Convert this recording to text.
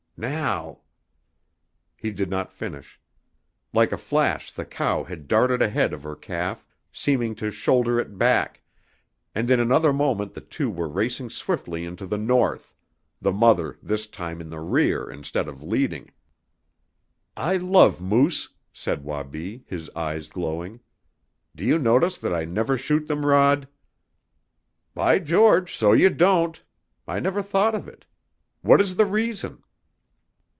Now " He did not finish. Like a flash the cow had darted ahead of her calf, seeming to shoulder it back, and in another moment the two were racing swiftly into the North, the mother this time in the rear instead of leading. "I love moose," said Wabi, his eyes glowing. "Do you notice that I never shoot them, Rod?" "By George, so you don't! I never thought of it. What is the reason?"